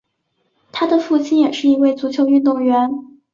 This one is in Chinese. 他的父亲也是一位足球运动员。